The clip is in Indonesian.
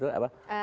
bowo sidik ya